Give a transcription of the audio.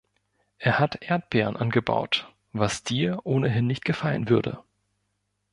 Er hat Erdbeeren angebaut, was dir ohnehin nicht gefallen würde.